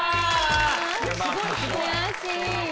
悔しい。